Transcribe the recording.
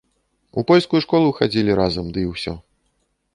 У польскую школу хадзілі разам ды і ўсё.